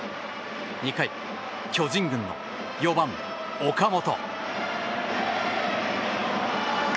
２回、巨人軍の４番、岡本。